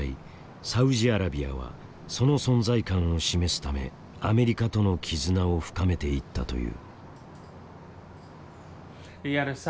サウジアラビアはその存在感を示すためアメリカとの絆を深めていったという。